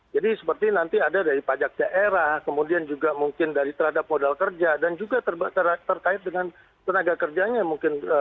jadi seperti nanti ada dari pajak daerah kemudian juga mungkin dari terhadap modal kerja dan juga terkait dengan tenaga kerjanya mungkin